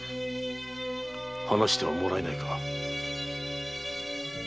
話してはもらえないか？